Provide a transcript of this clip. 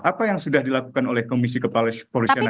apa yang sudah dilakukan oleh komisi kepala polisian